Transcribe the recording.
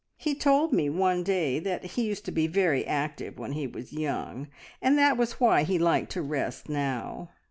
He told me one day that he used to be very active when he was young, and that was why he liked to rest now.